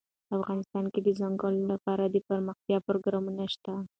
افغانستان کې د ځنګلونه لپاره دپرمختیا پروګرامونه شته.